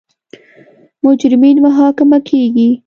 مجرمین محاکمه کیږي.